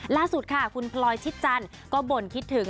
ล่าสุดค่ะคุณพลอยชิดจันทร์ก็บ่นคิดถึง